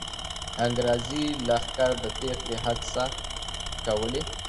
انګریزي لښکر د تېښتې هڅې کولې.